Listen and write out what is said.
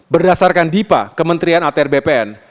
berdasarkan dipa kementerian atr bpn